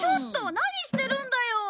何してるんだよ！